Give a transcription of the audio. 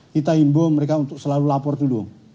kita himbo mereka untuk selalu lapor dulu